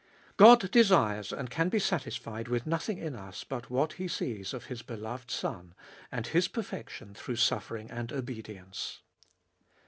God desires and can be satisfied with nothing in us but what He sees of His beloved Son, and His perfection through suffering and obedience.